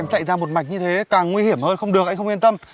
chạy ra một mạch như thế càng nguy hiểm hơn không được anh không yên tâm